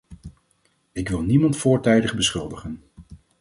Ik wil niemand voortijdig beschuldigen.